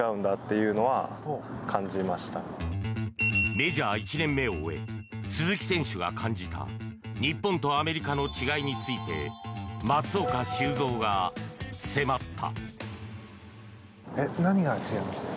メジャー１年目を終え鈴木選手が感じた日本とアメリカの違いについて松岡修造が迫った。